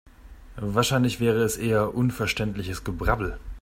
Wahrscheinlich wäre es eher unverständliches Gebrabbel.